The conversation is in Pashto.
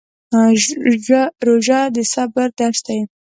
روژه د صبر درس دی